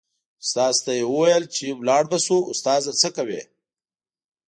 استاد ته یې و ویل چې لاړ به شو استاده څه کوې.